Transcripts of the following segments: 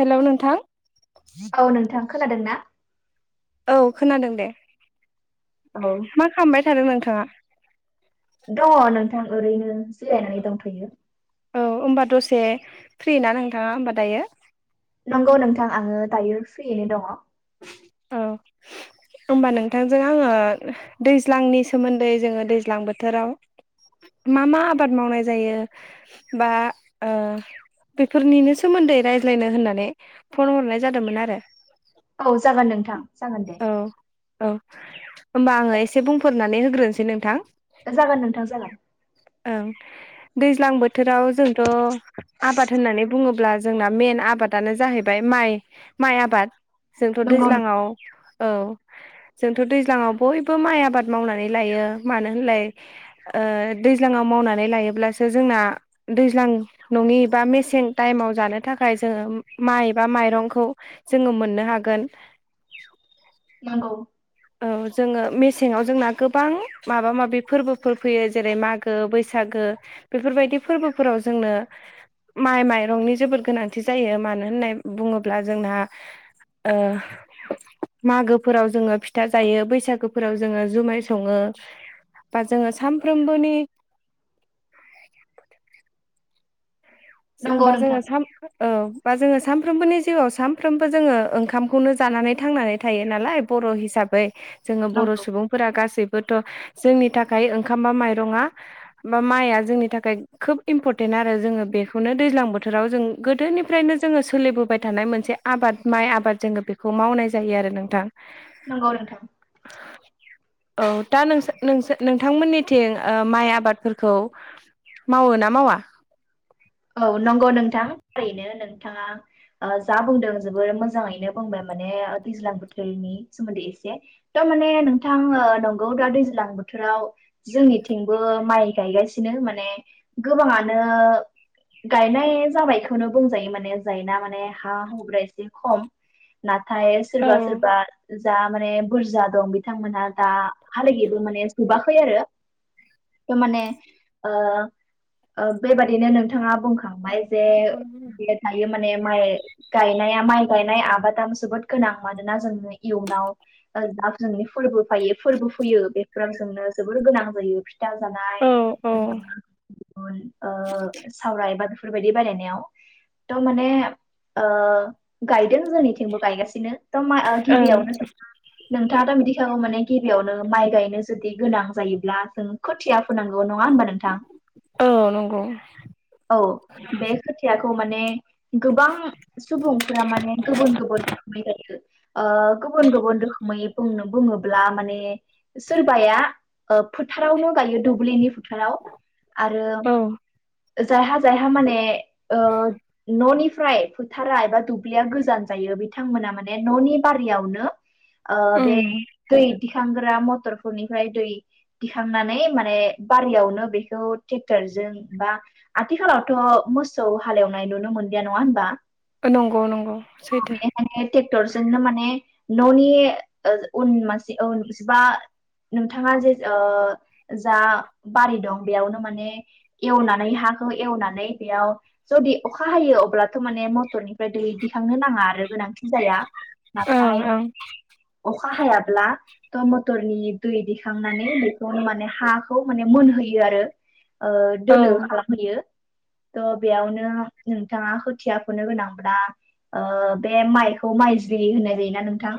हेल' नोंथां औ नोंथां खोनादों ना? औ खोनादों दे। औ मा खालामबाय थादों नोंथाङा? दङ नोंथां ओरैनो जिरायनानै दंथ'यो। औ होनोमबा दसे फ्रि ना नोंथाङा होमबा दायो? नंगौ नोंथां आङो दायो फ्रियैनो दङ। औ होनोमबा नोंथांजों आङो दैज्लांनि सोमोन्दै जोङो दैज्लां बोथोराव मा मा आबाद मावनाय जायो बा बेफोरनिनो सोमोन्दै रायज्लायनो होननानै फन हरनाय जादोंमोन आरो। औ जागोन नोंथां जागोन दे औ औ होनबा आङो एसे बुंफोरनानै होग्रोनोसै नोंथां। जागोन नोंथां जागोन ओं दैज्लां बोथोराव जोंथ' आबाद होननानै बुङोब्ला जोंना मेन आबादानो जाहैबाय माइ माइ आबाद। जोंथ' नंगौ नों- दैज्लांआव औ जोंथ' दैज्लाङाव बयबो माइ आबाद मावनानै लायो मानो होनलाय दैज्लाङाव मावनानै लायोब्लासो जोंना दैज्लां नङिबा मेसें टाइमाव जानो थाखाय जोङो माइ एबा माइरंखौ जोङो मोननो हागोन। नांगौ औ जोङो मेसेङाव जोंना गोबां माबा माबि फोरबोफोर फैयो जेरै मागो बागो बैसागो बेफोरबायदि फोरबोफोराव जोंनो माइ माइरंनि जोबोर गोनांथि जायो मानो होननानै बुङोब्ला जोंहा मागोफोराव जोङो फिथा फिथा जायो बैसागोफोराव जोङो जुमाय सङो बा जोङो सानफ्रोमबोनि नंगौ बा नोंथां जोङो साफ्रोमबो औ बा जोङो सानफ्रोमबोनि जिउआव सानफ्रोमबो जोङो ओंखामखौनो जानानै थांनानै थायो नालाय। बर' हिसाबै जोङो बर' नंगौ सुबुं फोर गासैबोथ' जोंनि थाखाय ओंखामबा माइरङा बा माइआ जोंनि थाखाय खोब इम्परटेन्ट आरो जोङो बे बेखौनो दैज्लां बोथोराव जों गोदोनिफ्रायनो जोङो सोलिबोबाय थानाय मोनसे आबाद माइ आबाद जोङो बेखौ खौ मावनाय जायो आरो नोंथां नंगौ नोंथां [inaudible] औ दा नों नोंथांमोननिथिं माइ आबादफोरखौ मावो ना मावा औ नंगौ नोंथां थारैनो नोंथाङा जा बुंदों जोबोर मोजाङैनो बुंबाय माने दैज्लां बोथोरनि सोमोन्दै एसे दा माने नोंथां नंगौ दा दैज्लां बोथोराव जोंनिथिंबो माइ गायगासिनो माने गोबाङानो गायनाय जाबायखौनो बुंजायो माने जायना माने हा हुग्रा एसे खम नाथाय औ सोरबा सोरबा जा माने बुरजा दं बि बिथांमोनहा दाहालागैबो माने जोबाखै आरो दामाने बेबादिनो नोंथाङा बुं ओमफ्राय जे जे दायो माने माइ गायनाया माइ गायनाय आबादा जोबोद गोनां मानोना जोंनो इयुनाव जा जोंनि फोरबो फायो फोरबो फैयो बेफोराब जोंनो जोबोर गोनां जायो औ औ [unintelligible] सावराय बा बेफोरबायदि बानायनायाव थ माने गायदों जोंनिथिंबो गायगासिनो था मा ओं गिबियावनो सों नोंथाङा दा मिथिखागौ माने गिबियावनो माइ गायनो जुदि गोनां जायोब्ला जों खोथिया फुनांगौ नङा होनबा नोंथां औ नंगौ औ बे खोथियाखौ माने गोबां सुबुंफोरा माने गुबुन गुबुन रोखोमै जायो गुबुन गुबुन रोखोमै बुंनो बुङोब्ला माने सोरबाया फोथारावनो गायो दुब्लिनि फोथाराव आरो जायहा जायहा माने न'निफ्राय फोथारा एबा दुब्लिया गोजान जायो बिथांमोना माने न'नि बारियावनो बे उम दै दिखांग्रा मटरफोरनिफ्राय दै दिखांनानै माने बारियावनो बेखौ ट्रेक्टरजों बा आथिखालावथ' मोसौ हालेवनाय नुनो मोनदिया नङा होनबा नंगौ नंगौ सैथो माने ट्रेक्टरजोंनो माने न'नि उन [unintelligible] उन बा नोंथाङा जे जा बारि दं बेयावनो माने एवनानै हाखौ एवनानै बेयाव जुदि अखा हायो अब्लाथ' माने मटरनिफ्राय दै दिखांनो नाङा आरो गोनांथि जाया ओं नाथाय ओं अखा हायाब्ला मटरनि दै दिखांनानै बेखौनो माने हाखौ माने मोनहोयो आरो ओ औ होयो थ' बेयावनो नोंथाङा खोथिया फुनो गोनांब्ला बे माइखौ माइज्लि होननाय जायोना नोंथां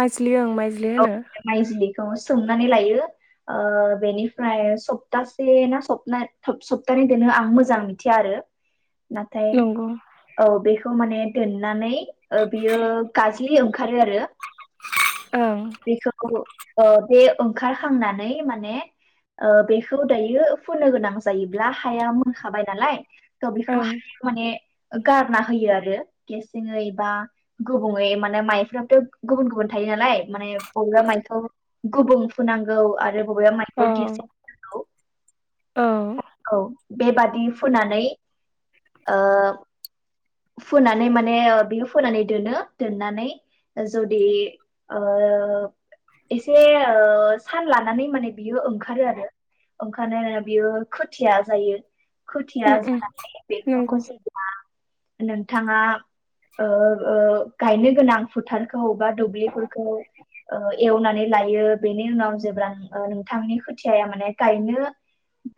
माइज्लि ओं माइज्लि होनो माइज्लिखौ सोमनानै लायो ओ बेनिफ्राय सप्तासे ना सप थ सप्तानै दोनो आं मोजां मिथिया आरो नाथाय नंगौ औ बेखौ माने दोननानै बियो गाजलि ओंखारो आरो ओं बेखौ बे ओंखारखांनानै माने बेखौ दायो फोनो गोनां जायोब्ला हाया मोनखाबाय नालाय त' बेखौ ओं हाया माने गारना होयो आरो गेसेङै बा गुबुंयै माने माइफथ' गुबुन गुबुन थायो नालाय माने बरब्रा माइखौ गुबुं फुनांगौ आरो बबेबा औ माइखौ गेसे औ औ बेबादि फोननानै ओ फोननानै माने बेयो फोनानै दोनो दोननानै जुदि एसे सान लानानै माने बियो ओंखारो आरो ओंखारनाया बियो खोथिया जायो। खुथिया उम उम जानानै बेखौ नंगौ जेब्ला नोंथाङा ओ ओ गायनो गोनां फोथारखौ बा दुब्लिफोरखौ ओ एवनानै लायो बेनि उनाव जेब्ला नोंथांनि खोथियाया माने गायनो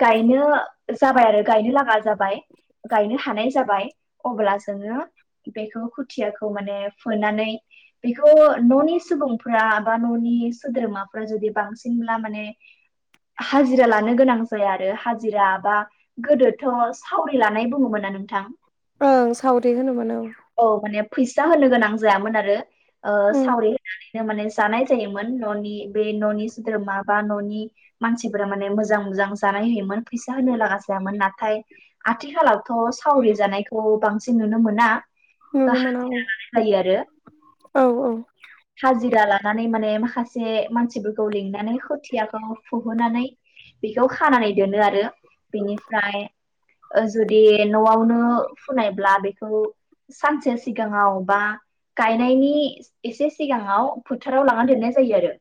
गायनो जाबाय आरो गायनो लागा जाबाय गायनो हानाय जाबाय अब्ला जोङो बेखौ खुथियाखौ माने फोनानै बेखौ न'नि सुबुंफ बा न'नि सोद्रोमाफ जुदि बांसिनब्ला माने हाजिरा लानो गोनां जाया आरो हाजिरा बा गोदोथ' सावरि लानाय बुङोमोना नोंथां। ओं सावरि होनोमोन औ औ माने फैसा होनो गोनां जायामोन आरो ओं सावरि होनानै माने जानाय जायोमोन न'नि बे न'नि सोद्रोमा बा न'नि मानसिफोरा माने मोजां मोजां जानाय होयोमोन फैसा होनो लागा जायामोन नाथाय आथिखालावथ' सावरि जानायखौ बांसिन नुनो मोना। नुनो मोना [unintelligible] औ जायो आरो। औ औ हाजिरा लानानै माने माखासे मानसिफोरखौ लिंनानै खोथियाखौ फुहोनानै बेखौ खानानै दोनो आरो बेनिफ्राय ओ जुदि न'आवनो फुनायब्ला बेखौ सानसे सिगाङाव बा गायनायनि एसे सिगाङाव फोथाराव लानानै दोननाय जायो आरो।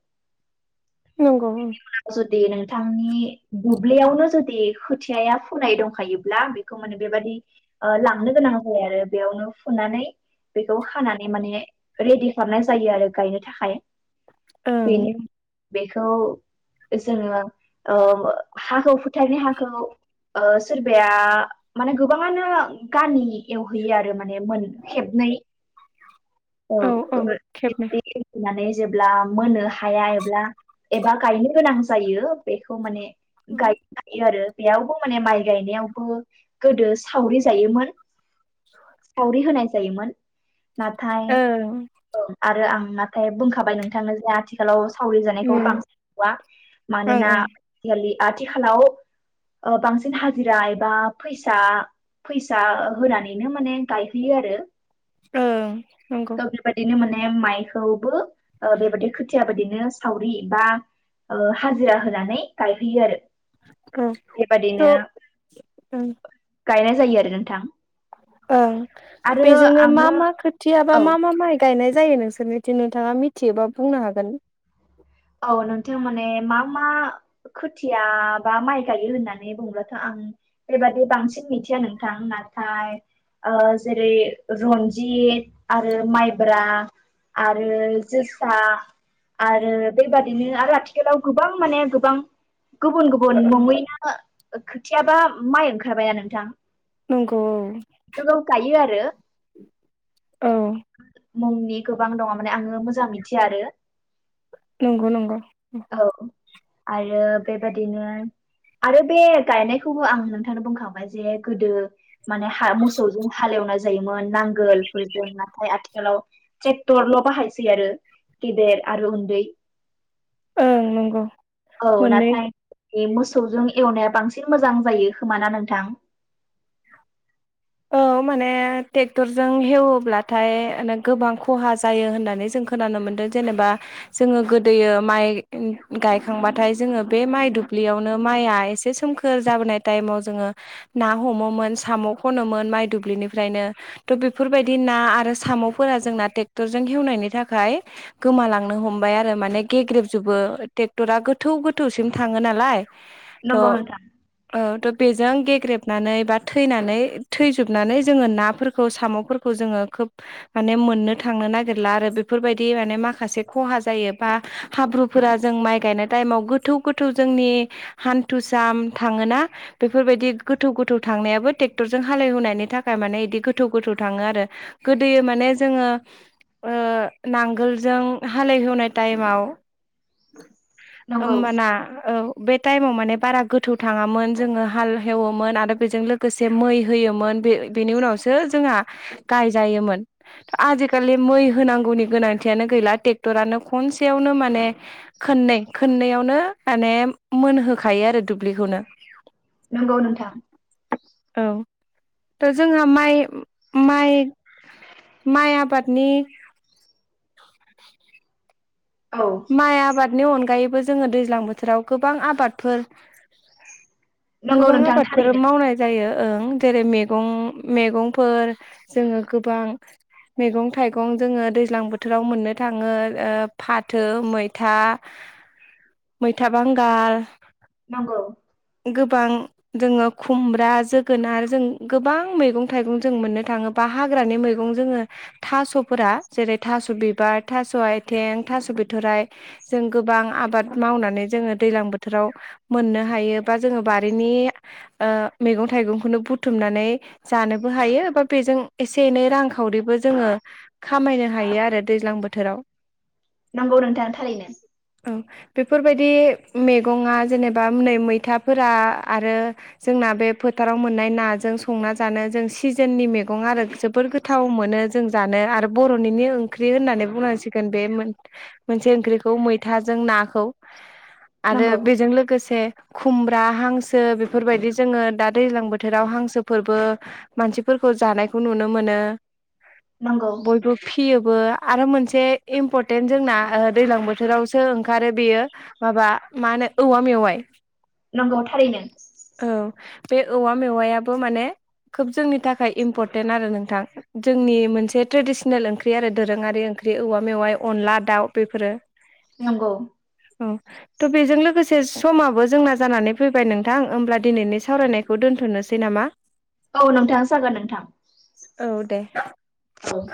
नंगौ उनाव जुदि नोंथांनि बुब्लियावनो जुदि खोथियाया फुनाय दंखायोब्ला खौ माने बेबादि लांनो गोनां जायो आरो बेयावनो फुनानै बेखौ हानानै माने रेडि खालामनाय जायो आरो गायनो थाखाय। ओं बेनो बेखौ जोङो हाखौ फुथारनि हाखौ सोरबाया माने गोबाङानो गाम एवहैयो आरो माने ओ माने खेबनै औ खेबनै खेबनै माने जेब्ला मोननो हाया एब्ला एबा गायनो गोनां जायो बेखौ माने ओं गाय हायो आरो बेयावबो माने माइ गायनायावबो गोदो सावरि जायोमोन। [inaudible] सावरि होनाय जायोमोन नाथाय ओं ओ आरो आं नाथाय बुंखाबाय नोंथांनो जे आथिखालाव सावरि जानायखौ ओं बांसिनुवा मानोना ओं आ आथिखालाव बांसिन हाजिरा एबा फैसा फैसा होनानैनो माने गायहैयो आरो। ओ नंगौ थ बेबायदिनो माने माइखौबो बेबायदि खोथिया बाददिनो सावरि बा हाजिरा होनानै गायहोयो आरो। औ थ' बेबादिनो ओं गायनाय जायो आरो नोंथां। ओं आरो बेजोंनो मा आङो मा खोथिया बा औ मा मा माइ गायनाय जायो नोंसोरनिदि नोंथाङा मिथियोबा बुंनो हागोन। औ नोंथां माने मा मा खुथिया बा माइ गायो होननानै बुंब्लाथ' आं बेबादि बांसिन मिथिया नोंथां नाथाय जेरै रन्जित आरो माइब्रा आरो जोसा आरो बदै बादैनो आरो आथिखालाव गोबां माने गोबां गुबुन गुबुन नङैनो खोथियाबा माइ ओंखारबायना नोंथां नंगौ बेखौ जों गायो आरो औ मुंनि गोबां दङ माने आङो मोजां मिथिया आरो नंगौ नंगौ औ आरो बेबादिनो आरो बे गायनायखौबो आं नोंथांनो बुंखाबाय जे गोदो माने ह मोसौजों हालेवनानै जायोमोन नांगोलफोरजों नाथाय आथिखालाव ट्रेक्टरल' बाहायसै आरो गिदेर आरो उन्दै ओं नंगौ औ मोननै नाथाय मोसौजों एवनाया बांसिन मोजां जायो खोमाना नोंथां औ माने ट्रेक्टरजों हेवोब्लाथाय माने गोबां खहा जायो होननानै जों खो खोनानो मोन्दों जेनेबा जोङो गोदोयो माइ गायखांबाथाय जोङो बे माइ दुब्लियावनो माइआ एसे सोमखो -खोर जाबोनाय टाइमाव जोङो ना हमोमोन साम' खनोमोन माइ दुब्लिनिफ्रायनो थ' बेफोरबायदि ना आरो साम'फोरा जोंना टेक्टरजों हेवनायनि थाखाय गोमालांनो हमबाय आरो माने गेग्रेबजोबो टेक्टरा गोथौ गोथौसिम थाङो नालाय थ' नंगौ नोंथां औ थ' बेजों गेग्रेबनानै बा थैनानै थैजोबनानै जोङो नाफोरखौ साम'फोरखौ जोङो खोब माने मोननो थांनो नागिरला आरो बेफोरबायदि माने माखासे खहा जायो बा हाब्रुफोरा जों माइ गायनाय टाइमाव गोथौ गोथौ जोंनि हान्थुसा थाङोना बेफोरबायदि गोथौ गोथौ थांनायाबो टे क्टरजों हाले एवनायनि थाखाय माने बिदि गोथौ गोथौ थाङो आरो गोदोयो माने जोङो ओ नांगोलजों हालेहेवनाय टाइमाव नंगौ ओमबाना औ बे टाइमाव माने बारा गोथौ थाङामोन जोङो हाल हेवोमोन आरो बेजों लोगोसे जे मै होयोमोन बे बेनि उनावसो जोंहा गायजायोमोन आजिखालि मै होनांगौनि गोनांथियानो गैला टेक्टरानो खनसेयावनो माने खोननै खोननैयावनो माने मोनहोखायो आरो दुब्लिखौनो नंगौ नोंथां औ दा जोंहा माइ माइ माइ आबादनि औ माइ आबादनि अनगायैबो जोङो दैज्लां बोथोराव गोबां आबादफोर नंगौ गोबां नोंथां आबादफोर थारैनो मावनाय जायो ओं जेरै मैगं मैगंफोर जोङो गोबां मैगं थाइगं जोङो दैज्लां बोथोराव मोननो थाङो फाथ फाथो मैथा मैथा बांगाल नंगौ गोबां जोङो खुमब्रा जोगोनार जों गोबां मैगं थाइगं जों मोननो थाङो बा हाग्रानि मैगं जोङो थास'फोरा जेरै थास' बिबार थास' आइथें थास' बि राइ जों गोबां आबाद मावनानै जोङो दैलां बोथोराव मोननो हायो बा जोङो बारिनि ओ मैगं थाइगंखौनो बुथुमनानै जानोबो हायो बा बेजों एसे एनै रांखावरिबो जोङो खामायनो हायो आरो दैज्लां बोथोराव नंगौ नोंथां थारैनो औ बेफोरबायदि मैगंआ जेनेबा नै मैथाफोरा आरो जोंना बे फोथाराव मोननाय नाजों संना जानो जों सिजोननि मैगं आरो जोबद गोथाव गोथाव मोनो जों जानो आरो बर'निनो ओंख्रि होननानै बुंनांसिगोन बे मोनसे ओंख्रिखौ मैथाजों नाखौ आरो नंगौ बेजों लोगोसे खुमब्रा हांसो बेफोरबायदि जोङो दा दैज्लां बोथोराव हांसोफोरबो मानसिफोरखौ जानायखौ नुनो मोनो नंगौ बयबो फिसियोबो आरो मोनसे इम्परटेन्ट जोंना दैज्लां बोथोरावसो ओंखारो बेयो माबा मा होनो औवा मेवाइ नंगौ थारैनो औ बे औवा मेवायाबो माने खोब जोंनि थाखाय इम्परटेन्ट आरो नोंथां जोंनि मोनसे ट्रेडिसनेल ओंख्रि आरो दोरोङारि ओंख्रि औवा मेवाइ अनला दाउ बेफोरो नंगौ औ थ' बेजों लोगोसे समाबो जोंना जानानै फैबाय नोंथां होमब्ला दिनैनि सावरायनायखौ दोन्थ'नोसै नामा [unintelligible] औ नोंथाङ जागोन नोंथां औ दे औ